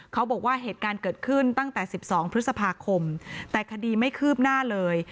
เขาบอกว่าเหตุการณ์เกิดขึ้นตั้งแต่๑๒พฤษภาคมแต่คดีไม่คืบหน้าเลย